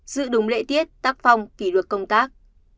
giữ đúng lễ tiết tác phong kỷ luật công tác